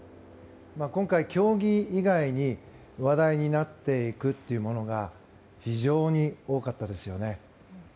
今回、競技以外に話題になっていくというものが非常に多かったですよね。